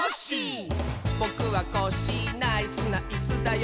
「ぼくはコッシーナイスなイスだよ」